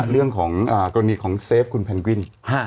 เรื่องของเรื่องขนมเซฟคุณแผนกวิน